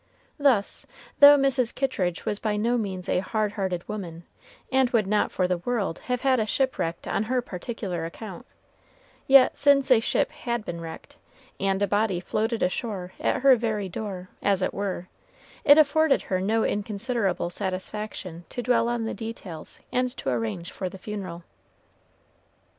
Thus, though Mrs. Kittridge was by no means a hard hearted woman, and would not for the world have had a ship wrecked on her particular account, yet since a ship had been wrecked and a body floated ashore at her very door, as it were, it afforded her no inconsiderable satisfaction to dwell on the details and to arrange for the funeral.